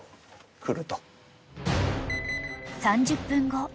［３０分後］